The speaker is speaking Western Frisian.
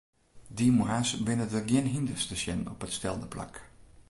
Dy moarns binne der gjin hynders te sjen op it stelde plak.